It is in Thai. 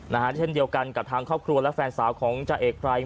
เช่นเดียวกันกับทางครอบครัวและแฟนสาวของจ่าเอกไพร